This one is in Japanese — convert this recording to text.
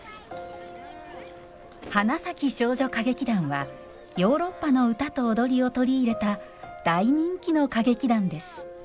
花咲少女歌劇団はヨーロッパの歌と踊りを取り入れた大人気の歌劇団です